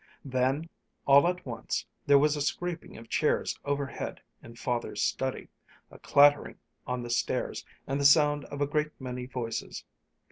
Then, all at once, there was a scraping of chairs overhead in Father's study, a clattering on the stairs, and the sound of a great many voices.